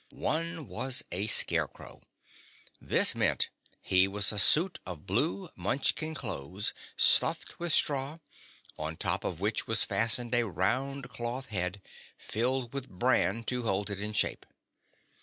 One was a Scarecrow. That means he was a suit of blue Munchkin clothes, stuffed with straw, on top of which was fastened a round cloth head, filled with bran to hold it in shape.